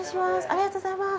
ありがとうございます。